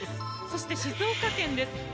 そして静岡県です。